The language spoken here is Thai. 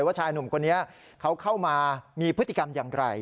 ว่าชายหนุ่มคนนี้เขาเข้ามามีพฤติกรรมอย่างไร